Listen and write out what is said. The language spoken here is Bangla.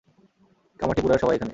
কামাঠিপুরার সবাই এখানে।